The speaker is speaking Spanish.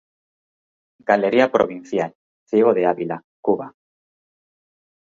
Galería provincial, Ciego de Ávila, Cuba.